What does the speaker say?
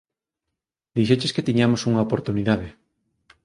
Dixeches que tiñamos unha oportunidade.